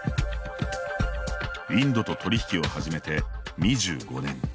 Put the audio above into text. インドと取り引きを始めて２５年。